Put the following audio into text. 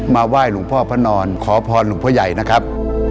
ไหว้หลวงพ่อพระนอนขอพรหลวงพ่อใหญ่นะครับ